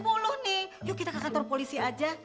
pak udah jam sepuluh nih yuk kita ke kantor polisi aja